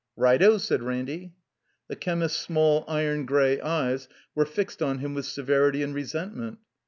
"Right 0!" said Ranny. The chemist's small, iron gray eyes were fixed on him with severity and resentment.